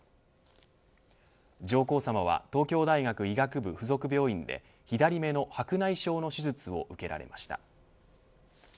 上皇さまは東京大学医学部付属病院で左目の白内障の手術を受けられました。